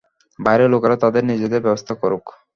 বাইরের লোকেরা তাদের নিজেদের ব্যবস্থা করুক।